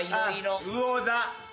うお座。